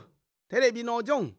テレビのジョン。